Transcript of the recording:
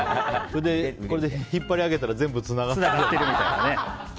これで引っ張り上げたら全部つながってるみたいな。